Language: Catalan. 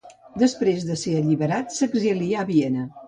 Després de ser alliberat s'exilià a Viena.